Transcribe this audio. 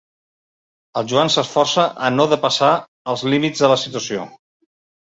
El Joan s'esforça a no depassar els límits de la situació.